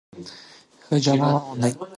ښه جامې واغوندئ.